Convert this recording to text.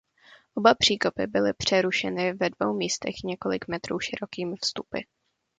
Oba příkopy byly přerušeny ve dvou místech několik metrů širokými vstupy.